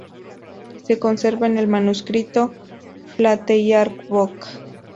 Se conserva en el manuscrito "Flateyjarbók".